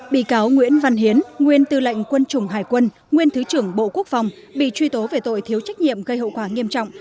bị cáo nguyễn văn hiến nguyên tư lệnh quân chủng hải quân nguyên thứ trưởng bộ quốc phòng bị truy tố về tội thiếu trách nhiệm gây hậu quả nghiêm trọng